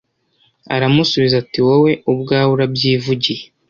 aramusubiza ati wowe ubwawe urabyivugiye